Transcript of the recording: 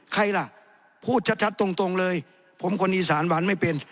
ใครล่ะพูดชัดตรงเลยผมคนอีสานหวานไม่เป็น